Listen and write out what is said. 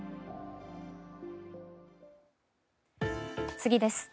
次です。